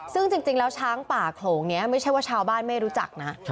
ซึ่งจริงแล้วช้างป่าโขลงนี้ไม่ใช่ว่าชาวบ้านไม่รู้จักนะ